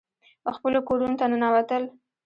خپلو کورونو ته ننوتل.